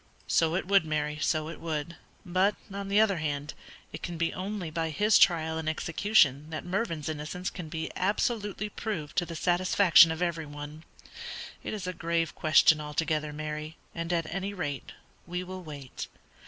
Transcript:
"So it would, Mary, so it would; but, on the other hand, it can be only by his trial and execution that Mervyn's innocence can be absolutely proved to the satisfaction of every one. It is a grave question altogether, Mary, and at any rate we will wait.